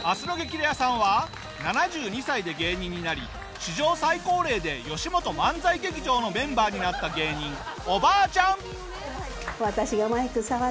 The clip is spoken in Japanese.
レアさんは７２歳で芸人になり史上最高齢でよしもと漫才劇場のメンバーになった芸人おばあちゃん！